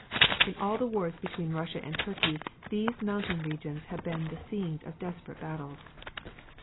In all the wars between Russia and Turkey, these mountain regions have been the scenes of desperate battles.